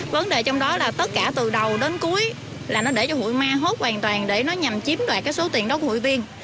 vấn đề trong đó là tất cả từ đầu đến cuối là nó để cho hụi ma hốt hoàn toàn để nó nhằm chiếm đoạt cái số tiền đó của hụi viên